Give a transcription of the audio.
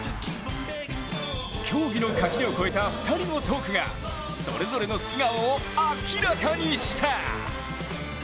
競技の垣根を超えた２人のトークが、それぞれの素顔を明らかにした。